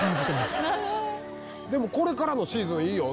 でもこれからのシーズンいいよ